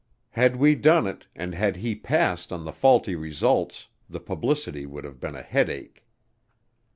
Had we done it and had he passed on the faulty results, the publicity would have been a headache.